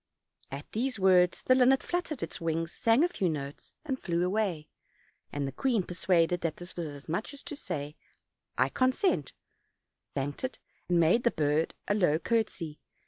At these words the linnet fluttered its wings, sang a few notes, and flew away; and the queen, persuaded that this was as much as to say, "I consent," thanked it, and made the bird a low courtesy.